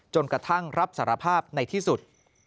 จนกระทั่งรับสารภาพในที่สุด